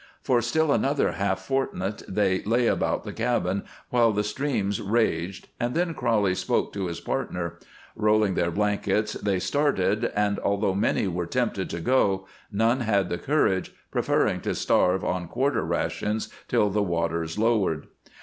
For still another half fortnight they lay about the cabin while the streams raged, and then Crowley spoke to his partner. Rolling their blankets, they started, and, although many were tempted to go, none had the courage, preferring to starve on quarter rations till the waters lowered.